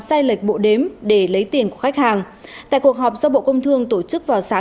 sai lệch bộ đếm để lấy tiền của khách hàng tại cuộc họp do bộ công thương tổ chức vào sáng